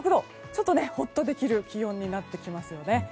ちょっと、ホッとできる気温になってきますよね。